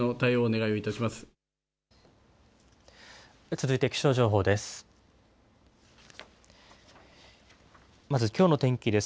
続いて気象情報です。